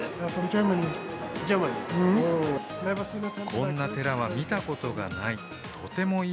こんな寺は見たことがない。